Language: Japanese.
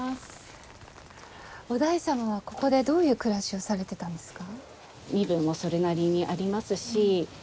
於大様はここでどういう暮らしをされてたんですか？